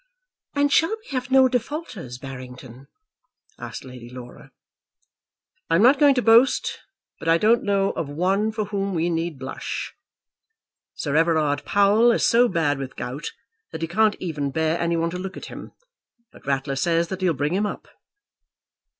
"And shall we have no defaulters, Barrington?" asked Lady Laura. "I'm not going to boast, but I don't know of one for whom we need blush. Sir Everard Powell is so bad with gout that he can't even bear any one to look at him, but Ratler says that he'll bring him up."